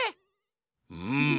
うん。